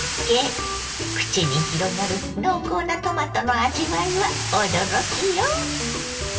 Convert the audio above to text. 口に広がる濃厚なトマトの味わいは驚きよ。